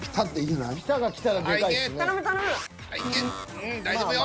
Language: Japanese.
うん大丈夫よ。